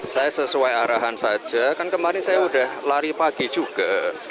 saya sesuai arahan saja kan kemarin saya sudah lari pagi juga